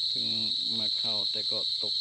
เพิ่งมาเข้าแต่ก็ตกใจน่ะก็ไปสู่ที่ชอบที่ชอบเด้อ